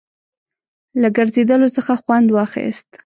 له ګرځېدلو څخه خوند واخیست.